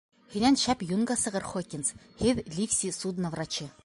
Һинән шәп юнга сығыр, Хокинс... һеҙ, Ливси, судно врачы.